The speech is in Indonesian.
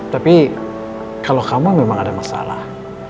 tapi kalau kamu memang ada masalah